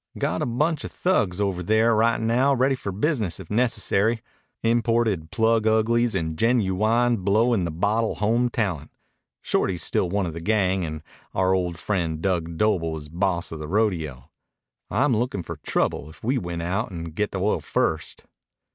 "Got a bunch of thugs over there right now ready for business if necessary. Imported plug uglies and genuwine blown in the bottle home talent. Shorty's still one of the gang, and our old friend Dug Doble is boss of the rodeo. I'm lookin' for trouble if we win out and get to oil first."